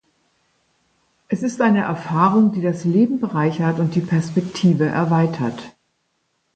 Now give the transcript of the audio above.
Es ist eine Erfahrung, die das Leben bereichert und die Perspektive erweitert.